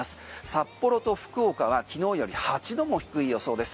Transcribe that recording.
札幌と福岡は昨日より８度も低い予想です。